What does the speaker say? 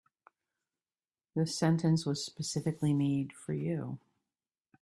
This sentence was specifically made for you.